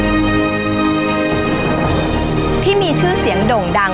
คุณผู้ชมอยู่กับดิฉันใบตองราชนุกูลที่จังหวัดสงคลาค่ะ